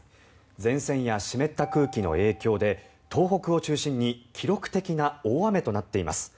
前線や湿った空気の影響で東北を中心に記録的な大雨となっています。